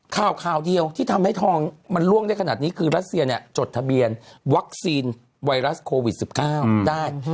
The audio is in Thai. ข่าวข่าวเดียวที่ทำให้ทองมันล่วงได้ขนาดนี้คือรัสเซียเนี่ยจดทะเบียนวัคซีนไวรัสโควิด๑๙ได้